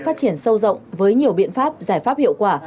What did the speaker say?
phát triển sâu rộng với nhiều biện pháp giải pháp hiệu quả